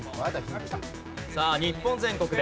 さあ日本全国です。